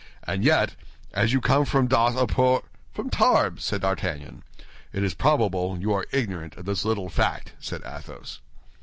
And yet, as you come from Dax or Pau—" "From Tarbes," said D'Artagnan. "It is probable you are ignorant of this little fact," said Athos.